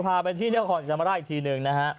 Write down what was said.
พาไปที่นครศรีธรรมราชอีกทีหนึ่งนะฮะ